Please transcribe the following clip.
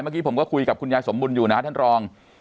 เมื่อกี้ผมก็คุยกับคุณยายสมบุญอยู่นะท่านรอง